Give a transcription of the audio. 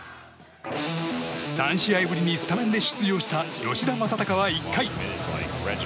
３試合ぶりにスタメンで出場した吉田正尚は１回。